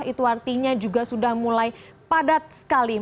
dan wilayahnya juga sudah mulai padat sekali